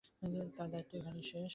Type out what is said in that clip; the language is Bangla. তার দায়িত্ব এখানেই শেষ।